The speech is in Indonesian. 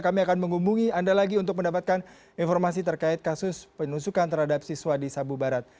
kami akan menghubungi anda lagi untuk mendapatkan informasi terkait kasus penusukan terhadap siswa di sabu barat